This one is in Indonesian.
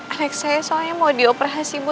anak saya soalnya mau di operasi ibu